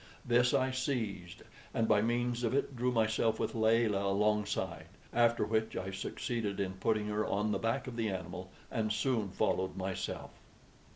This I seized, and by means of it drew myself with Layelah alongside; after which I succeeded in putting her on the back of the animal, and soon followed myself.